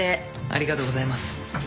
ありがとうございます。